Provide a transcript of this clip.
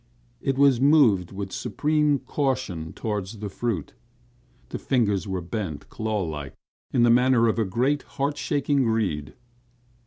It was moved with supreme caution toward the fruit. The fingers were bent, claw like, in the manner of great heart shaking greed.